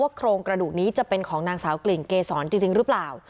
โครงกระดูกนี้จะเป็นของนางสาวกลิ่นเกษรจริงหรือเปล่า